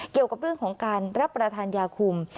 เกี่ยวกับเรื่องของการรับประทานยาคุม